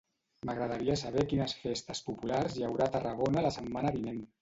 M'agradaria saber quines festes populars hi haurà a Tarragona la setmana vinent.